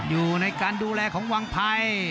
อยู่ในการดูแลของวังไพร